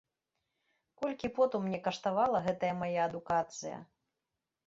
Колькі поту мне каштавала гэтая мая адукацыя.